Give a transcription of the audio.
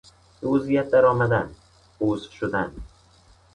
به عضویت درآمدن، عضو شدن